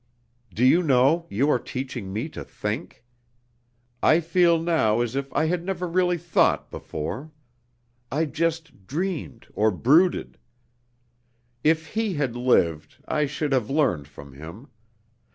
"Do you know, you are teaching me to think? I feel now as if I had never really thought before. I just dreamed, or brooded. If he had lived, I should have learned from him.